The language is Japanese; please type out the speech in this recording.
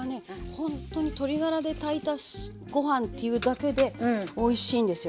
ほんとに鶏ガラで炊いたご飯っていうだけでおいしいんですよ。